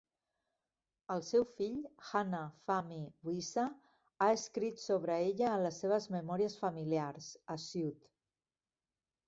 El seu fill, Hanna Fahmy Wissa, ha escrit sobre ella a les seves memòries familiars "Assiout".